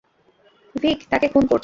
ভিক তাকে খুন করছে।